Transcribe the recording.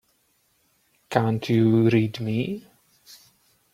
Can't you read me?